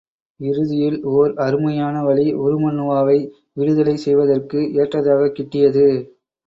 இறுதியில் ஓர் அருமையான வழி உருமண்ணுவாவை விடுதலை செய்வதற்கு ஏற்றதாகக் கிட்டியது.